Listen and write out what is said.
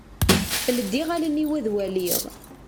Ldiɣ allen-iw ad waliɣ.